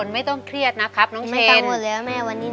มาปลูกเวทีเลยนะ